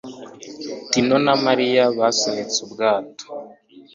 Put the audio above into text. Tino na Mariya basunitse ubwato